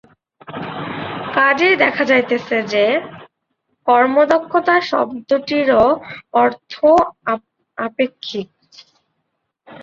কাজেই দেখা যাইতেছে যে, কর্মদক্ষতা শব্দটিরও অর্থ আপেক্ষিক।